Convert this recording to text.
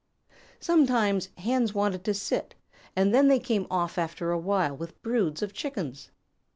Sometimes Hens wanted to sit, and then they came off after a while with broods of Chickens.